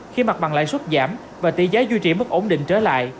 khi mặt bằng lãi suất giảm và tỷ giá duy trì mức ổn định trở lại